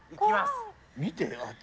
見て、あっち。